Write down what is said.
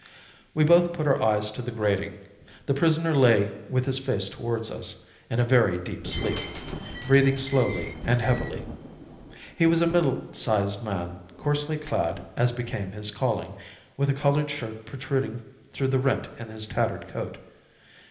We both put our eyes to the grating. The prisoner lay with his face towards us, in a very deep sleep, breathing slowly and heavily. He was a middle sized man, coarsely clad as became his calling, with a coloured shirt protruding through the rent in his tattered coat.